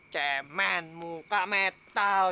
cemen muka metal